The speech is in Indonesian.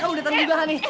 kamu datang juga hani